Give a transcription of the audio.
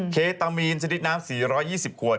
เคตามีนชนิดน้ำ๔๒๐ขวด